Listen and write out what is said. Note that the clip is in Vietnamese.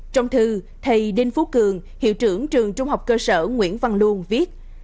trong thư thầy đinh phú cường hiệu trưởng trường trung học cơ sở nguyễn văn luôn viết